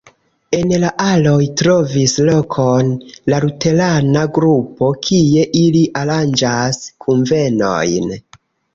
En la aloj trovis lokon la luterana grupo, kie ili aranĝas kunvenojn.